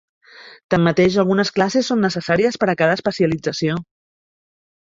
Tanmateix, algunes classes són necessàries per a cada especialització.